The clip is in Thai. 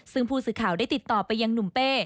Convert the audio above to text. ซึ่งผู้สื่อข่าวได้ติดต่อไปยังหนุ่มเป้